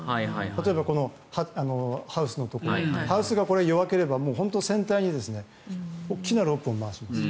例えばハウスのところにハウスが弱ければ船体に大きなロープを回します。